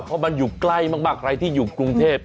เพราะมันอยู่ใกล้มากใครที่อยู่กรุงเทพ